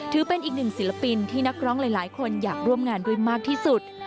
ถือเป็นอีกหนึ่งศิลปินที่นักร้องหลายคนอยากร่วมงานด้วยมากที่สุด